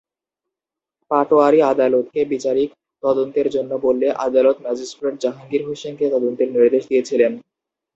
পাটোয়ারী আদালতকে বিচারিক তদন্তের জন্য বললে আদালত ম্যাজিস্ট্রেট জাহাঙ্গীর হোসেনকে তদন্তের নির্দেশ দিয়েছিলেন।